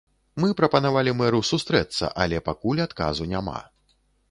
Мы прапанавалі мэру сустрэцца, але пакуль адказу няма.